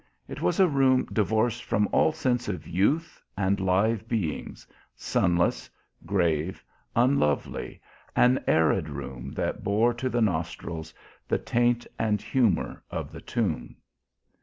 It was a room divorced from all sense of youth and live beings, sunless, grave, unlovely; an arid room that bore to the nostrils the taint and humour of the tomb.